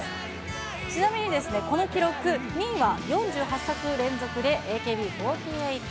ちなみにこの記録、２位は４８作連続でＡＫＢ４８。